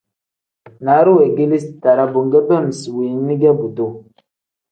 Naaru weegeleezi too-ro bo nbeem isi weeni ge buduu.